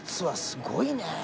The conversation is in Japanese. すごいねえ。